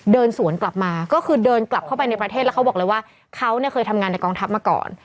เดินสวนกลับมาก็คือเดินกลับเข้าไปในประเทศแล้วเขาบอกเลยว่าเขาเนี่ยเคยทำงานในกองทัพมาก่อน